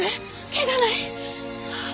怪我ない？